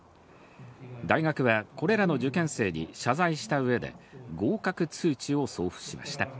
大学はこれらの受験生に謝罪したうえで、合格通知を送付しました。